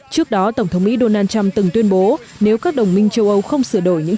trước đó tổng thống mỹ donald trump từng tuyên bố nếu các đồng minh châu âu không sửa đổi những